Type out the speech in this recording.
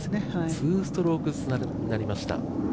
ツーストローク差になりました。